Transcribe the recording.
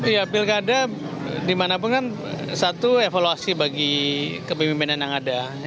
ya pilkada dimana pun kan satu evolusi bagi kepemimpinan yang ada